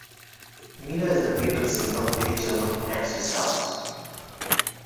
Mina is the patron saint of many German and Swiss towns.